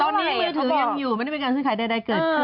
ตอนนี้มือถือยังอยู่ไม่ได้เป็นการซื้อขายใดเกิดขึ้น